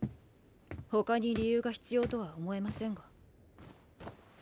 他に理由が必要とは思えませんが。